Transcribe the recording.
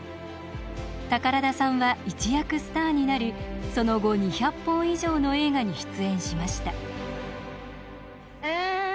宝田さんは一躍スターになりその後２００本以上の映画に出演しました。